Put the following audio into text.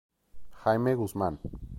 Jaime Guzmán.